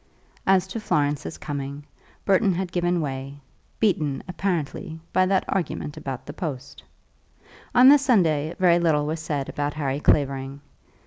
As to Florence's coming, Burton had given way, beaten, apparently, by that argument about the post. On the Sunday very little was said about Harry Clavering.